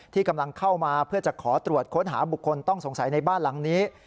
ที่กำลังเข้ามาเพื่อจะขอตรวจค้นหาบุคคลต้องสงสัยในบ้านหลังนี้